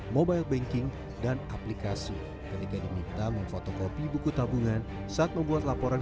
mobile banking dan aplikasi ketika diminta memfotokopi buku tabungan saat membuat laporan